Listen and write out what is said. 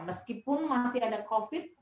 meskipun masih ada covid